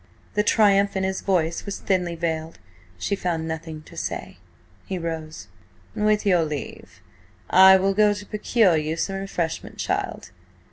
The triumph in his voice was thinly veiled. She found nothing to say. He rose. "With your leave, I will go to procure you some refreshment, child.